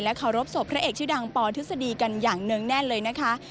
เคารพศพพระเอกชื่อดังปทฤษฎีกันอย่างเนื่องแน่นเลยนะคะ